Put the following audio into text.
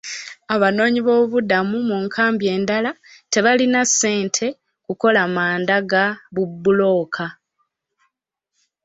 Abanoonyiboobubudamu mu nkambi endala tebalina ssente kukola manda ga bubulooka.